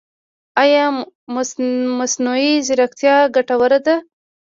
ایا مصنوعي ځیرکتیا ګټوره ده؟